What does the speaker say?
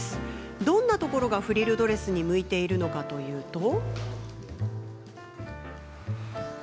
どんなところが、フリルドレスに向いているのかというと。